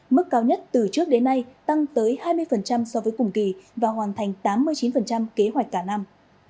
mức cao nhất từ trước đến nay tăng tới hai mươi so với cùng kỳ và hoàn thành tám mươi chín kế hoạch cả năm